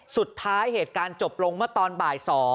สุดท้ายเหตุการณ์จบลงเมื่อตอนบ่าย๒